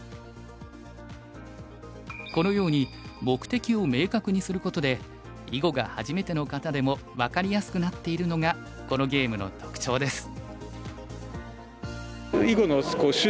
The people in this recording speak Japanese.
このように目的を明確にすることで囲碁が初めての方でも分かりやすくなっているのがこのゲームの特徴です。